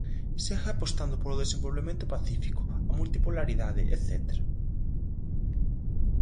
Segue apostando polo desenvolvemento pacífico, a multipolaridade etcétera.